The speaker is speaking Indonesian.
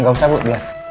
nggak usah bu biar